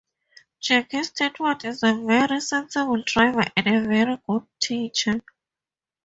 Jackie Stewart is a very sensible driver and a very good teacher.